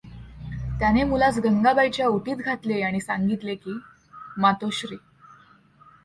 त्याने मुलास गंगाबाईच्या ओटीत घातले आणि सांगितले की, मातोश्री!